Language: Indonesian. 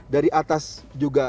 dari atas juga leleh